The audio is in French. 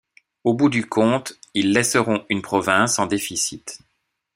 Au bout du compte, ils laisseront une province en déficit.